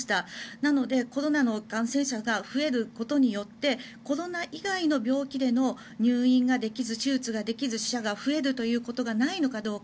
なので、コロナの感染者が増えることによってコロナ以外の病気での入院ができず手術ができず死者が増えるということがないのかどうか。